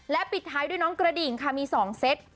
ปิดท้ายด้วยน้องกระดิ่งค่ะมี๒เซต